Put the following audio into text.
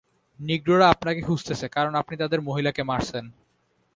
নিগ্রোরা আপনাকে খুজতেছে কারন আপনি তাদের মহিলা কে মারছেন।